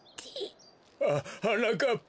ははなかっぱ。